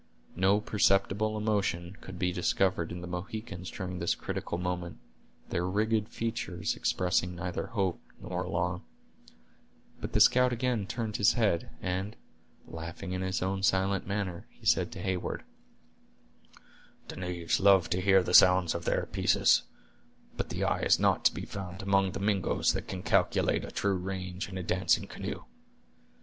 No perceptible emotion could be discovered in the Mohicans during this critical moment, their rigid features expressing neither hope nor alarm; but the scout again turned his head, and, laughing in his own silent manner, he said to Heyward: "The knaves love to hear the sounds of their pieces; but the eye is not to be found among the Mingoes that can calculate a true range in a dancing canoe!